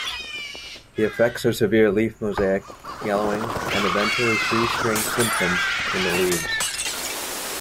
The effects are severe leaf mosaic, yellowing and eventually "shoestring" symptoms in the leaves.